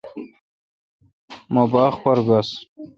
مہ باغ پر گس۔